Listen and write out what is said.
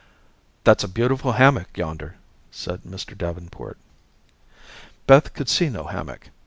"That's a beautiful hammock yonder," said Mr. Davenport. Beth could see no hammock.